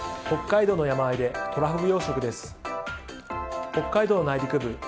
北海道の内陸部